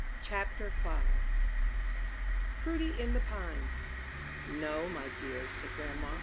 CHAPTER V PRUDY IN THE PINES "No, my dears," said grandma.